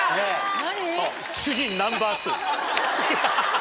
何？